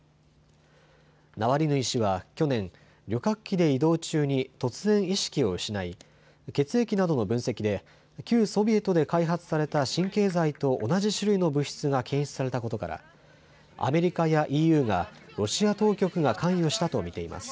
ナワリヌイ氏は去年、旅客機で移動中に突然意識を失い血液などの分析で旧ソビエトで開発された神経剤と同じ種類の物質が検出されたことからアメリカやＥＵがロシア当局が関与したと見ています。